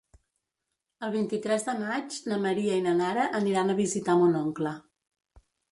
El vint-i-tres de maig na Maria i na Nara aniran a visitar mon oncle.